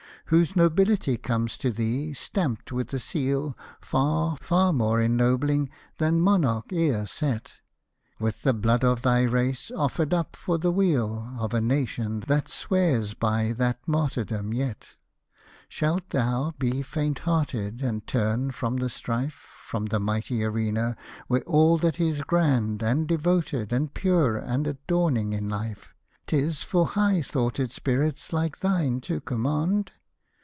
Whose nobility comes to thee, stamped with a seal Far, far more ennobling than monarch e'er set ; With the blood of thy race, offered up for the weal Of a nation, that swears by that martyrdom yet ! Shalt thou be faint hearted and turn from the strife, From the mighty arena, where all that is grand. And devoted, and pure, and adorning in life, 'Tisfor high thoughted spirits like thine to command?